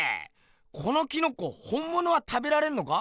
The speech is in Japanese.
このキノコ本ものは食べられんのか？